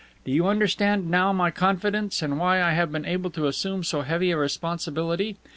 Do you understand now my confidence and why I have been able to assume so heavy a responsibility?